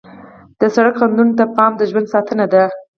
د سړک خنډونو ته پام د ژوند ساتنه ده.